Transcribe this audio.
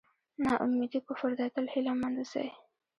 نا اميدي کفر دی تل هیله مند اوسئ.